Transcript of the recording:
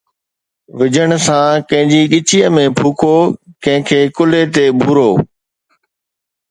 وجھڻ سان ڪنھن جي ڳچيءَ ۾ ڦوڪو، ڪنھن کي ڪلھي تي ڀورو.